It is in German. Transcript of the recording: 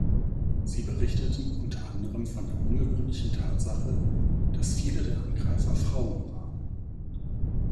Sie berichteten unter anderem von der ungewöhnlichen Tatsache, dass viele der Angreifer Frauen waren.